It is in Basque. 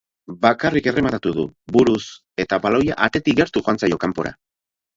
Bakarrik errematatu du, buruz, eta baloia atetik gertu joan zaio kanpora.